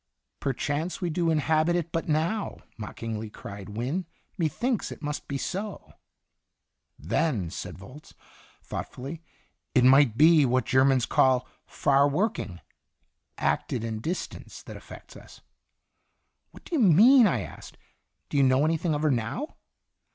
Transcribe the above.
" Perchance we do inhabit it but now," mockingly cried Wynne; " methinks it must be so." " Then," said Volz, thoughtfully, " it might be what Germans call 'far working' acted in distance that affects us." "What do you mean?" I asked. " Do you know anything of her now?"